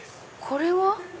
これは？